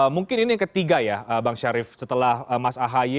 mungkin ini yang ketiga ya bang syarif setelah mas ahy